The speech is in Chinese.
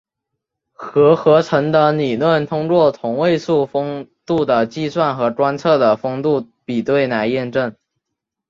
核合成的理论通过同位素丰度的计算和观测的丰度比对来验证。